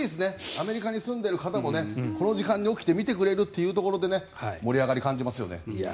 アメリカに住んでいる方もこの時間に起きて見てくれるというところで盛り上がりを感じますよね。